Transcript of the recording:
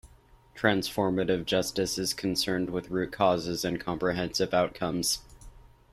Transformative justice is concerned with root causes and comprehensive outcomes.